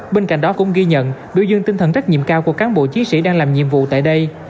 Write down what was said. bên cạnh đó cũng ghi nhận biểu dương tinh thần trách nhiệm cao của cán bộ chiến sĩ đang làm nhiệm vụ tại đây